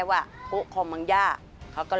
ทำไมเราต้องเป็นแบบเสียเงินอะไรขนาดนี้เวรกรรมอะไรนักหนา